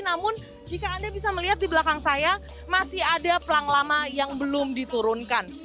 namun jika anda bisa melihat di belakang saya masih ada pelang lama yang belum diturunkan